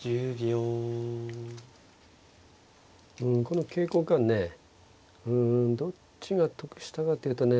この桂交換ねうんどっちが得したかっていうとね